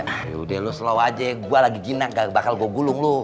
yaudah lu slow aja gua lagi jinak gak bakal gua gulung lu